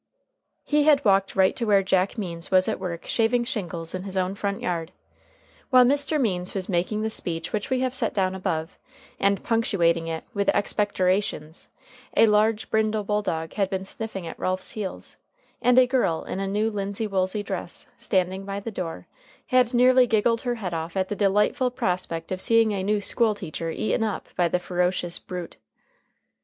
He had walked right to where Jack Means was at work shaving shingles in his own front yard. While Mr. Means was making the speech which we have set down above, and punctuating it with expectorations, a large brindle bulldog had been sniffing at Ralph's heels, and a girl in a new linsey woolsey dress, standing by the door, had nearly giggled her head off at the delightful prospect of seeing a new school teacher eaten up by the ferocious brute.